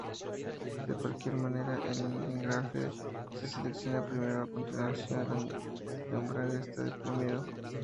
De cualquier manera, el engranaje se selecciona primero, a continuación, el embrague está deprimido.